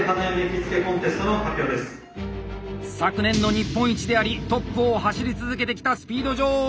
昨年の日本一でありトップを走り続けてきた「スピード女王」